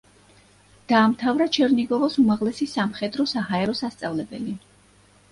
დაამთავრა ჩერნიგოვის უმაღლესი სამხედრო-საჰაერო სასწავლებელი.